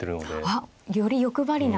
あっより欲張りな。